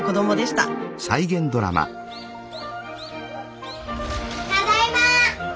ただいま！